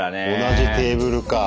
同じテーブルか。